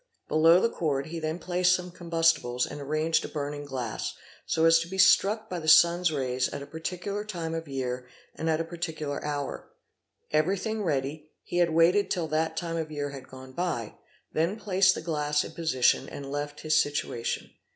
Below the cord he then placed some combustibles and arranged a burning glass, so as to be struck by the sun's rays at a particular time of year and at a particular hour. Everything ready, he had waited till that time of year had gone by, then placed the glass in position, and left his situation.